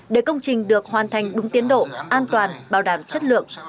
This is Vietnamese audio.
để công trình được hoàn thành đúng tiến độ an toàn bảo đảm chất lượng